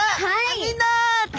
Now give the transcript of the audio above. みんな！